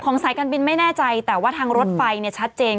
สายการบินไม่แน่ใจแต่ว่าทางรถไฟชัดเจน